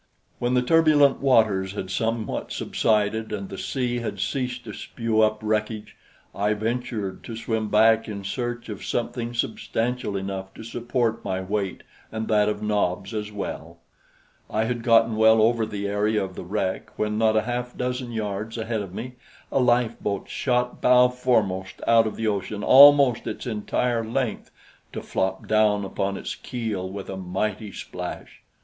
When the turbulent waters had somewhat subsided and the sea had ceased to spew up wreckage, I ventured to swim back in search of something substantial enough to support my weight and that of Nobs as well. I had gotten well over the area of the wreck when not a half dozen yards ahead of me a lifeboat shot bow foremost out of the ocean almost its entire length to flop down upon its keel with a mighty splash.